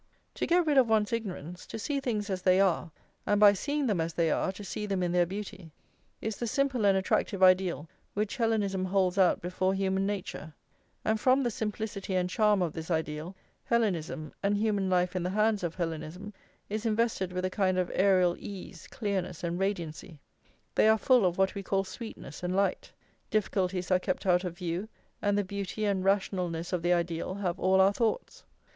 To get rid of one's ignorance, to see things as they are, and by seeing them as they are to see them in their beauty, is the simple and attractive ideal which Hellenism holds out before human nature; and from the simplicity and charm of this ideal, Hellenism, and human life in the hands of Hellenism, is invested with a kind of aërial ease, clearness, and radiancy; they are full of what we call sweetness and light. Difficulties are kept out of view, and the beauty and rationalness of the ideal have all our thoughts.